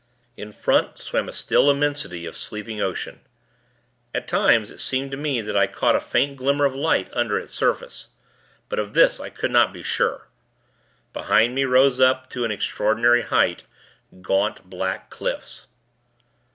In front, swam a still immensity of sleeping ocean. At times, it seemed to me that I caught a faint glimmer of light, under its surface; but of this, I could not be sure. Behind me, rose up, to an extraordinary height, gaunt, black cliffs.